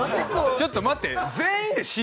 ちょっと待って。